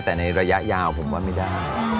แต่ในระยะยาวผมว่าไม่ได้